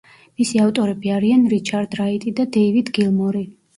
მისი ავტორები არიან რიჩარდ რაიტი და დეივიდ გილმორი.